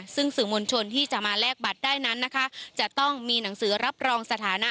ซึ่งสื่อมวลชนที่จะมาแลกบัตรได้นั้นนะคะจะต้องมีหนังสือรับรองสถานะ